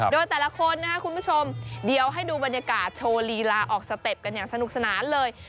โดยแต่ละคนนะครับคุณผู้ชมเดี๋ยวให้ดูบรรยากาศโชว์ลีลาออกสเต็ปกันอย่างสนุกสนานเลย